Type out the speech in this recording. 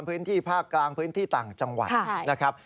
พื้นที่ภาคกลางพื้นที่ต่างจังหวัดนะครับ